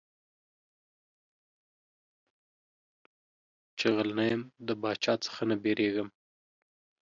چي غل نه يم د باچا څه نه بيرېږم.